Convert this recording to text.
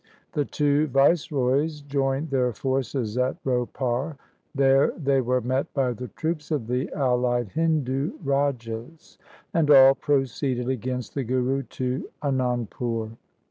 The two viceroys joined their forces at Ropar. There they were met by the troops of the allied Hindu rajas, and all proceeded against the Guru to Anandpur.